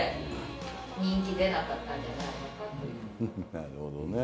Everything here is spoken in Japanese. なるほどね。